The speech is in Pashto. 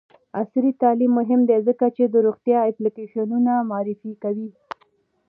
عصري تعلیم مهم دی ځکه چې د روغتیا اپلیکیشنونه معرفي کوي.